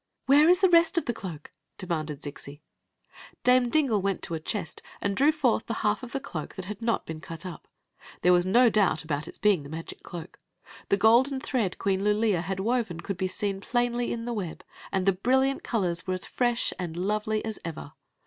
"Where is the rest of the cloak?" demanded Zixi. Dame Dingle went to a chest and drew forth the half of the cloak that had not be«i cut up. There was no doubt about its being the magic cloak. The golden thread Queen Lulea had woven could be seen plainly in the web, and the brilliant colors were as fresh and lovely as ever.